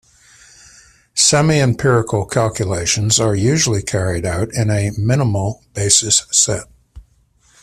Semiempirical calculations are usually carried out in a minimal basis set.